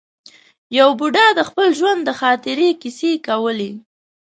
یو بوډا د خپل ژوند د خاطرې کیسې کولې.